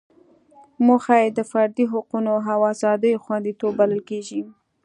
موخه یې د فردي حقوقو او ازادیو خوندیتوب بلل کېده.